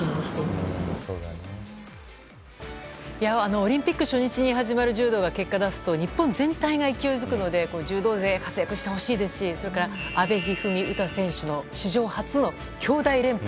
オリンピック初日に始まる柔道が結果を出すと日本全体が勢いづくので柔道勢、活躍してほしいですしそれから阿部一二三、詩選手の史上初の兄妹連覇。